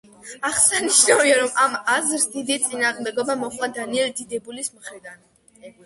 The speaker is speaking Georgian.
აღსანიშნავია, რომ ამ აზრს დიდი წინააღმდეგობა მოჰყვა დანიელი დიდებულების მხრიდან.